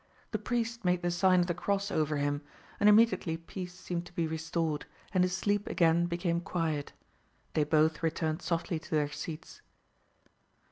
The priest made the Sign of the Cross over him, and immediately peace seemed to be restored, and his sleep again became quiet: they both returned softly to their seats.